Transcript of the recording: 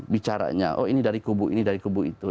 bicaranya oh ini dari kubu ini dari kubu itu